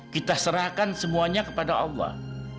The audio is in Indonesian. kita serahkan semuanya kepada allah